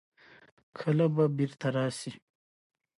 کله به بېرته راسي.